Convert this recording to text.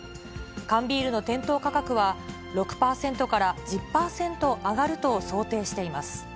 缶ビールの店頭価格は６％から１０％上がると想定しています。